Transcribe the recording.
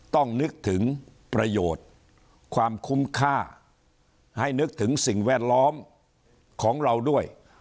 ต้องนึกถึงประโยชน์ความคุ้มค่าให้นึกถึงสิ่งแวดล้อมของเราด้วย